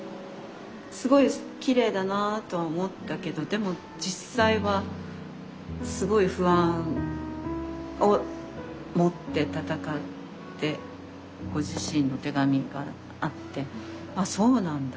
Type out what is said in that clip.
すごいきれいだなとは思ったけどでも実際はすごい不安を持って闘ってご自身の手紙があってあっそうなんだっていうか。